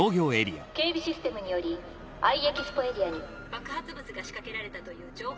警備システムによりＩ・エキスポエリアに爆発物が仕掛けられたという情報を入手。